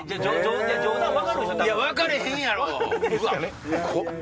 いや分かれへんやろ！